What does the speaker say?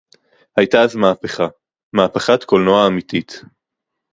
היתה אז מהפכה, מהפכת קולנוע אמיתית